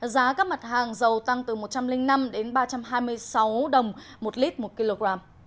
giá các mặt hàng dầu tăng từ một trăm linh năm đến ba trăm hai mươi sáu đồng một lít một kg